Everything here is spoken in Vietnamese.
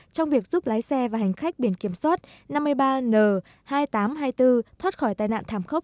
trong việc giúp lái xe và hành khách biển kiểm soát năm mươi ba n hai nghìn tám trăm hai mươi bốn thoát khỏi tai nạn thảm khốc